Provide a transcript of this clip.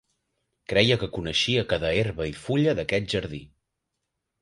Creia que coneixia cada herba i fulla d'aquest jardí.